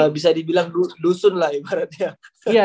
bisa dibilang dusun lah ibaratnya